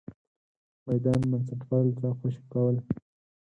میدان بنسټپالو ته خوشې کول.